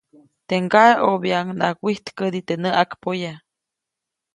Teʼ ŋgaʼe ʼobyaʼuŋnaʼajk wijtkädi teʼ näʼakpoya.